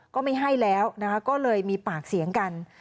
ก็ไม่ให้แล้วก็เลยมีปากเสียงกัน